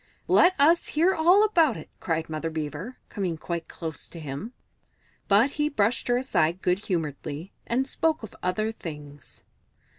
"Let us hear all about it!" cried Mother Beaver, coming quite close to him. But he brushed her aside good humouredly, and spoke of other things.